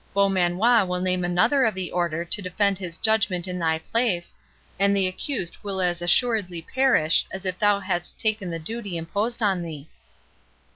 Beaumanoir will name another of the Order to defend his judgment in thy place, and the accused will as assuredly perish as if thou hadst taken the duty imposed on thee."